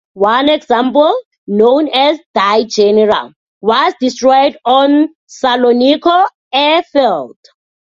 One example, known as "Die General", was destroyed on Salonicco airfield.